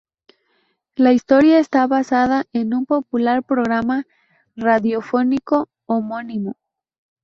La historia está basada en un popular programa radiofónico homónimo.